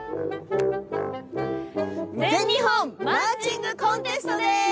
「全日本マーチングコンテスト」。